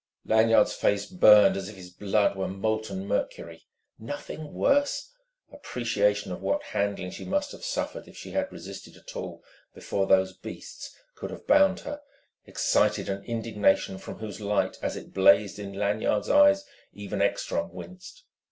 Lanyard's face burned as if his blood were molten mercury. "Nothing worse!" Appreciation of what handling she must have suffered, if she had resisted at all, before those beasts could have bound her, excited an indignation from whose light, as it blazed in Lanyard's eyes, even Ekstrom winced.